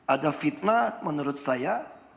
ada fitnah menurut saya